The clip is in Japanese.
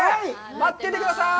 待っててください。